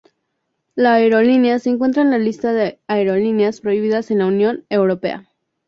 La aerolínea se encuentra en la lista de aerolíneas prohibidas en la Unión Europea.